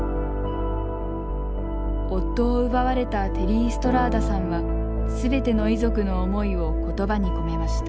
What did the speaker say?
夫を奪われたテリー・ストラーダさんは全ての遺族の思いを言葉に込めました。